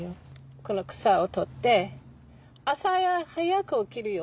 この草を取って朝早く起きるよ。